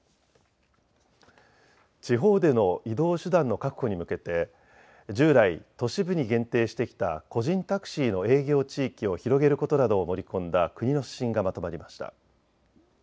地方での移動手段の確保に向けて従来、都市部に限定してきた個人タクシーの営業地域を広げることなどを盛り込んだ国の指針がまとまりました。